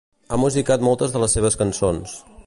Ha musicat moltes de les seves cançons.